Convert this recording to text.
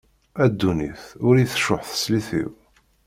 A ddunit ur yi-tcuḥ teslit-iw.